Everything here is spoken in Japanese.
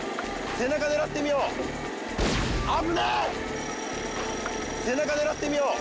背中狙ってみよう危ない！